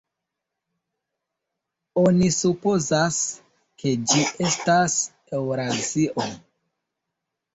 Oni supozas, ke ĝi estas Eŭrazio.